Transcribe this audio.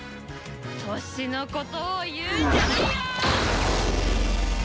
年のことを言うんじゃないよーっ！